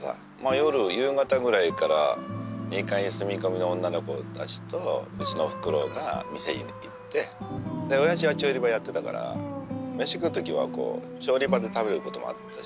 夜夕方ぐらいから２階に住み込みの女の子たちとうちのおふくろが店に行っておやじは調理場やってたから飯食う時は調理場で食べることもあったし。